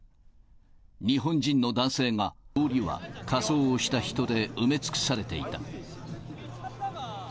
日本人の男性が、通りは仮装をした人で埋め尽くされていた。